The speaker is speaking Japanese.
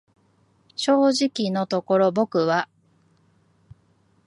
正直のところ僕は、